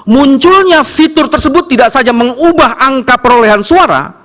munculnya fitur tersebut tidak saja mengubah angka perolehan suara